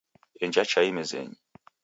Enja chai mezenyi